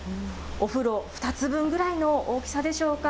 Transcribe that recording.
お風呂２つ分ぐらいの大きさでしょうか。